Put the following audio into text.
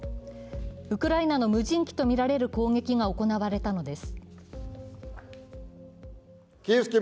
ウクライナの無人機とみられる攻撃が行われたのです。